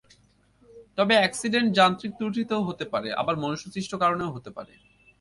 তবে অ্যাকসিডেন্ট যান্ত্রিক ত্রুটিতেও হতে পারে, আবার মনুষ্যসৃষ্ট কারণেও হতে পারে।